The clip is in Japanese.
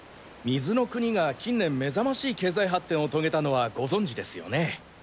水の国が近年目覚ましい経済発展を遂げたのはご存じですよね？